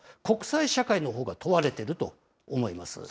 国際社会のほうが問われていると思います。